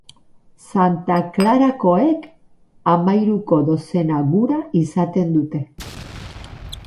Santa Klarakoek hamahiruko dozena gura izaten dute.